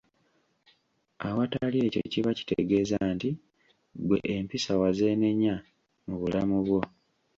Awatali ekyo kiba kitegeeza nti ggwe empisa wazeenenya mu bulamu bwo.